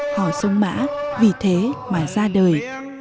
họ sông mã vì thế mà ra đời